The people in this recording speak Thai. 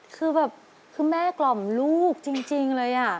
คือแบบคือแม่กล่อมลูกจริงเลย